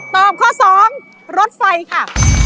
ข้อ๒รถไฟค่ะ